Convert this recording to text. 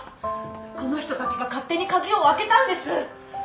この人たちが勝手に鍵を開けたんです！